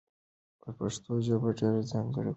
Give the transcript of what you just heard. پښتو ژبه ډېر ځانګړي غږونه لري.